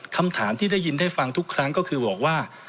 คำถามที่ได้ยินได้ฟังทุกครั้งก็คือบอกว่า